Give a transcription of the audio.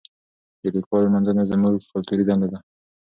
د لیکوالو لمانځنه زموږ کلتوري دنده ده.